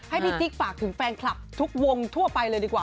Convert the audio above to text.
ให้พี่ติ๊กฝากถึงแฟนคลับทุกวงทั่วไปเลยดีกว่า